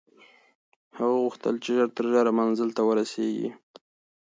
هغه غوښتل چې ژر تر ژره منزل ته ورسېږي.